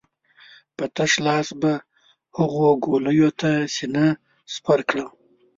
په تش لاس به هغو ګولیو ته سينه سپر کړم.